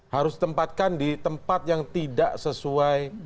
harus ditempatkan di tempat yang tidak sesuai